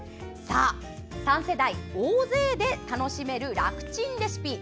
３世代大勢で楽しめるらくちんレシピ。